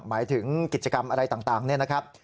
หมายถึงกิจกรรมอะไรต่างเนี่ยนะครับ